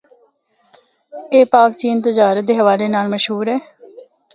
اے پاک چین تجارت دے حوالے نال مشہور ہے۔